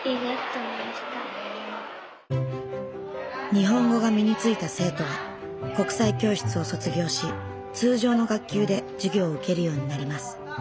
日本語が身についた生徒は国際教室を卒業し通常の学級で授業を受けるようになります。